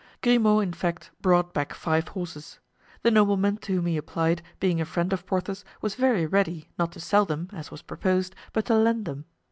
Grimaud, in fact, brought back five horses. The nobleman to whom he applied, being a friend of Porthos, was very ready, not to sell them, as was proposed, but to lend them.